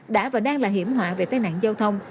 đã và đang là hiểm họa về tai nạn giao thông